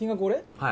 「はい。